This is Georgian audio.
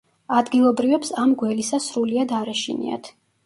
ადგილობრივებს ამ გველისა სრულიად არ ეშინიათ.